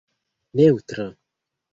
neŭtra